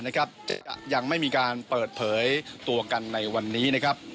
จะยังไม่มีการเปิดเผยตัวกันในวันนี้นะครับ